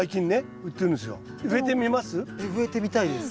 えっ植えてみたいです。